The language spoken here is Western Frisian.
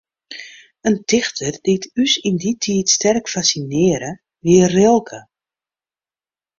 In dichter dy't ús yn dy tiid sterk fassinearre, wie Rilke.